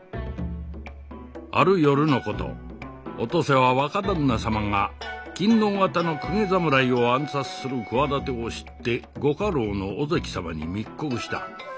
ある夜のことお登勢は若旦那様が勤皇方の公家侍を暗殺する企てを知って御家老の尾関様に密告した。